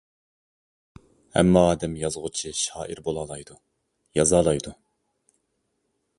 ھەممە ئادەم يازغۇچى، شائىر بولالايدۇ، يازالايدۇ.